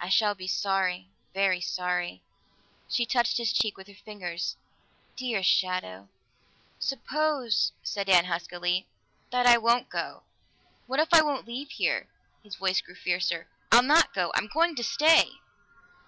I shall be sorry, very sorry." She touched his cheek with her fingers. "Dear shadow!" "Suppose," said Dan huskily, "that I won't go. What if I won't leave here?" His voice grew fiercer. "I'll not go! I'm going to stay!"